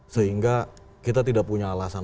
sehingga kita tidak punya alasan